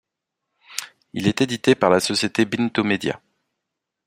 Il est édité par la société Binto Media.